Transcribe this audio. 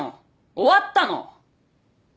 終わったの！